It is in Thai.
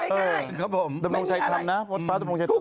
เอออีบ้าก็สรุปเอาไว้ง่ายไม่มีอะไรดำรงชัยทำนะ